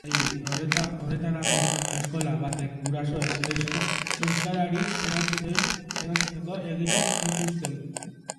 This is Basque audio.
Probak hiri horretako eskola bateko gurasoek eskaerari erantzuteko egin zituzten.